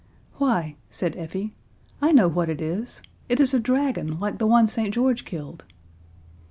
"Why," said Effie, "I know what it is. It is a dragon like the one St. George killed."